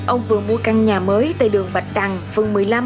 ông vừa mua căn nhà mới tại đường bạch đằng phường một mươi năm